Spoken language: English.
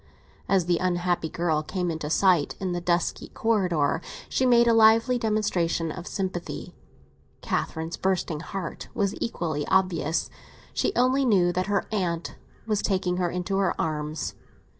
As the unhappy girl came into sight, in the dusky corridor, she made a lively demonstration of sympathy. Catherine's bursting heart was equally oblivious. She only knew that her aunt was taking her into her arms.